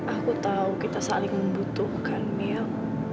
aku tahu kita saling membutuhkan mil